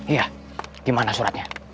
iya gimana suratnya